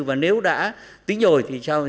và nếu đã tính rồi thì sao